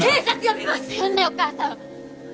呼んでお母さん！